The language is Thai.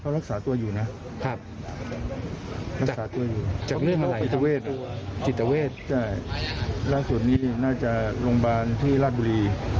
หรืออะไรเนอะประมาณนี้